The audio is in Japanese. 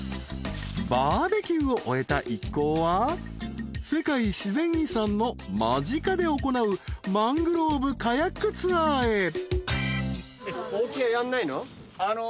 ［バーベキューを終えた一行は世界自然遺産の間近で行うマングローブカヤックツアーへ］